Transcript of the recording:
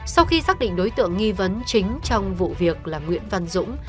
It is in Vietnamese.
sau khi xác định đối tượng nghi vấn chính trong vụ việc là nguyễn văn dũng